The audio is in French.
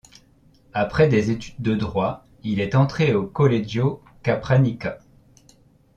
Après des études de droit, il est entré au Collegio Capranica.